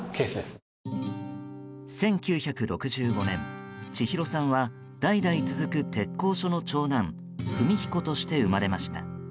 １９６５年、千尋さんは代々続く鉄工所の長男・文彦として生まれました。